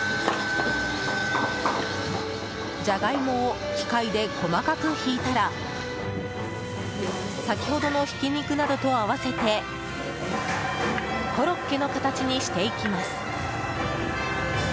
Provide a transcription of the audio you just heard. ジャガイモを機械で細かくひいたら先ほどのひき肉などと合わせてコロッケの形にしていきます。